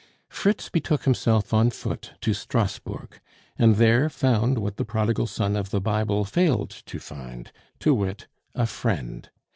Fritz betook himself on foot to Strasbourg, and there found what the prodigal son of the Bible failed to find to wit, a friend.